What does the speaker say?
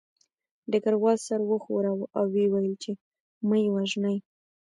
ډګروال سر وښوراوه او ویې ویل چې مه یې وژنئ